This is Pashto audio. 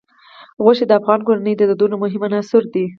غوښې د افغان کورنیو د دودونو مهم عنصر دی.